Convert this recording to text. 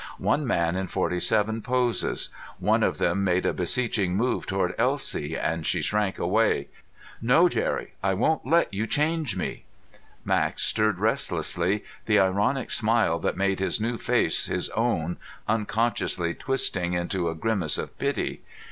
One man in forty seven poses. One of them made a beseeching move toward Elsie and she shrank away. "No, Jerry! I won't let you change me!" Max stirred restlessly, the ironic smile that made his new face his own unconsciously twisting into a grimace of pity.